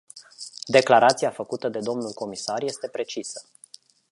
Declarația făcută de domnul comisar este precisă.